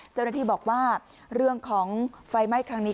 เจ้าหน้าที่บอกว่าเรื่องของไฟไหม้ครั้งนี้